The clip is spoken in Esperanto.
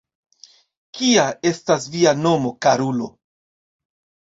Kia estas via nomo, karulo?